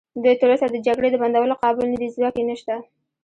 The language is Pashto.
دوی تراوسه د جګړې د بندولو قابل نه دي، ځواک یې نشته.